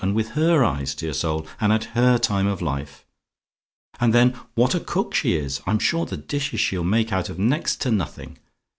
And with HER eyes, dear soul and at HER time of life! "And then what a cook she is! I'm sure the dishes she'll make out of next to nothing!